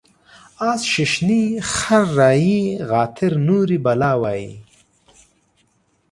اس ششني ، خر رایي غاتر نوري بلا وایي.